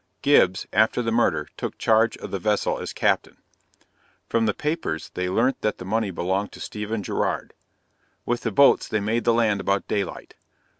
Gibbs, after the murder, took charge of the vessel as captain. From the papers they learnt that the money belonged to Stephen Girard. With the boats they made the land about daylight.